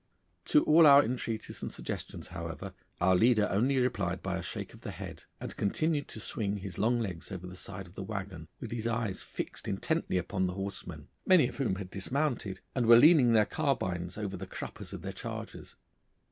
To all our entreaties and suggestions, however, our leader only replied by a shake of the head, and continued to swing his long legs over the side of the waggon with his eyes fixed intently upon the horsemen, many of whom had dismounted and were leaning their carbines over the cruppers of their chargers.